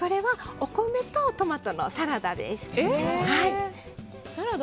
お米とトマトのサラダです。